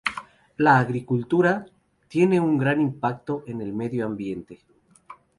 La agricultura tiene un gran impacto en el medio ambiente.